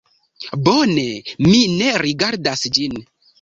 Bone, mi ne rigardas ĝin